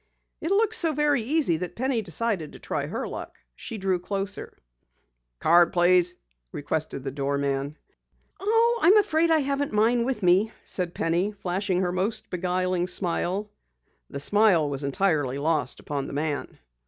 It looked so very easy that Penny decided to try her luck. She drew closer. "Your card please," requested the doorman. "I am afraid I haven't mine with me," said Penny, flashing her most beguiling smile. The smile was entirely lost upon the man.